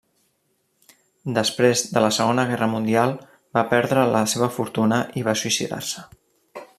Després de la Segona Guerra Mundial, va perdre la seva fortuna, i va suïcidar-se.